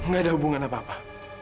gak ada hubungan apa apa